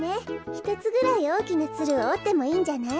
ひとつぐらいおおきなツルをおってもいいんじゃない？